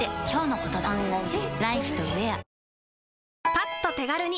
パッと手軽に！